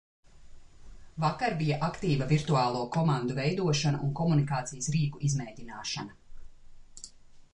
Vakar bija aktīva virtuālo komandu veidošana un komunikācijas rīku izmēģināšana.